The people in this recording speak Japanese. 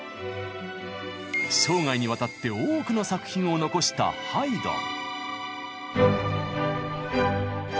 生涯にわたって多くの作品を残したハイドン。